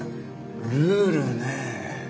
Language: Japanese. ルールねえ。